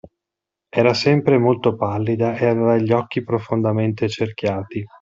Era sempre molto pallida e aveva gli occhi profondamente cerchiati.